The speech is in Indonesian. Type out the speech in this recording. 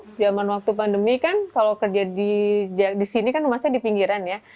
karena kan kalau dulu zaman waktu pandemi kan kalau kerja di sini kan rumah saya di pinggiran ya